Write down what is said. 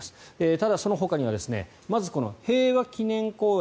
ただ、そのほかにはまずこの平和記念公園